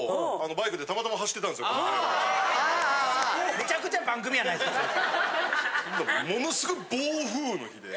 むちゃくちゃ番組やないですかそれ。